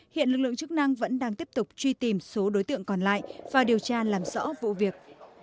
hiện lực lượng chức năng vẫn đang tiếp tục truy tìm số đối tượng còn lại và điều tra làm rõ vụ việc